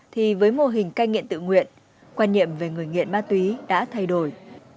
thì với mô hình cai nghiện tự nguyện quan niệm về người nghiện ma túy đã thay đổi